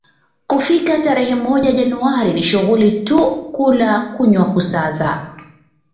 kufika tarehe moja Januari ni shughuli tu kula kunywa kusaza